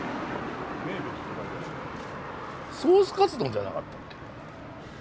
ソースカツ丼じゃなかったっけ？